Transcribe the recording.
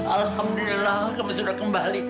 alhamdulillah kamu sudah kembali